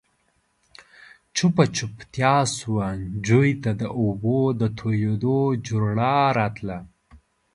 چوپه چوپتيا شوه، جووې ته د اوبو د تويېدو جورړا راتله.